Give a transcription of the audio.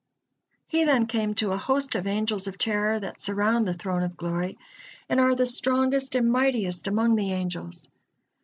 He then came to a host of Angels of Terror that surround the Throne of Glory, and are the strongest and mightiest among the angels.